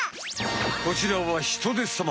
こちらはヒトデさま。